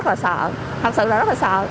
thật sự là rất là sợ